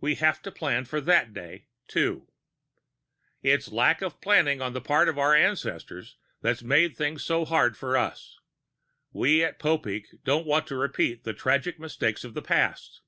We have to plan for that day, too. It's the lack of planning on the part of our ancestors that's made things so hard for us. We of Popeek don't want to repeat the tragic mistakes of the past.